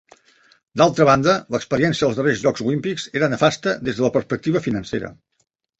D'altra banda, l'experiència dels darrers jocs olímpics era nefasta des de la perspectiva financera.